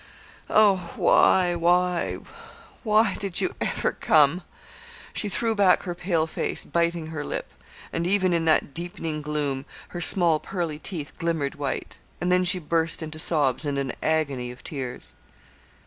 Oh! why, why, why did you ever come?' She threw back her pale face, biting her lip, and even in that deepening gloom her small pearly teeth glimmered white; and then she burst into sobs and an agony of tears.